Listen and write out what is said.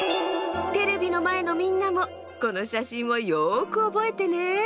テレビのまえのみんなもこのしゃしんをよくおぼえてね。